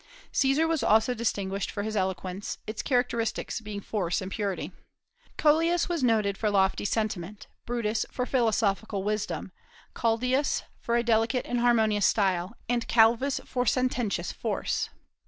Caesar was also distinguished for his eloquence, its characteristics being force and purity. "Coelius was noted for lofty sentiment, Brutus for philosophical wisdom, Calidius for a delicate and harmonious style, and Calvus for sententious force."